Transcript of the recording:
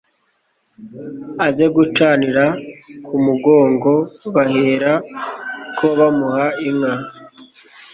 Aze gucanira ku Mugongo bahera ko bamuha inka